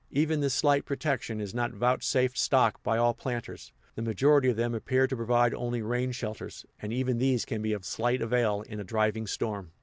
Even this slight protection is not vouchsafed stock by all planters; the majority of them appear to provide only rain shelters, and even these can be of slight avail in a driving storm.